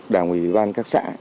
đảng ủy huyện các xã